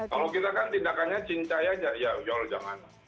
kalau kita kan tindakannya cincaya aja ya yaudahlah gimana